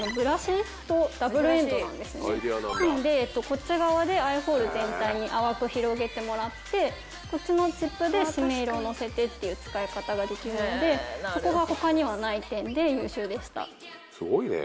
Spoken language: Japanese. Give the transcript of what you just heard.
こっち側でアイホール全体に淡く広げてもらってこっちのチップで締め色をのせてっていう使い方ができるのでそこが他にはない点で優秀でした。